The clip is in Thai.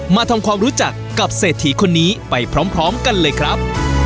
มาทำความรู้จักกับเศรษฐีคนนี้ไปพร้อมกันเลยครับ